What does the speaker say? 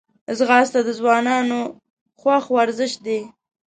ځغاسته د ځوانانو خوښ ورزش دی